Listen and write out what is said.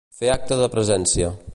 Fer acte de presència.